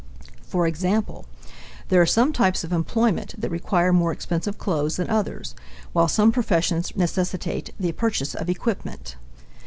For example, there are some types of employment that require more expensive clothes than others, while some professions necessitate the purchase of equipment.